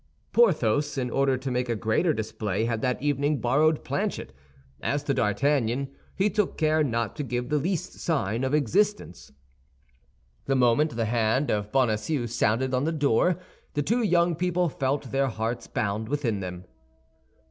Porthos, in order to make a greater display, had that evening borrowed Planchet. As to D'Artagnan, he took care not to give the least sign of existence. The moment the hand of Bonacieux sounded on the door, the two young people felt their hearts bound within them.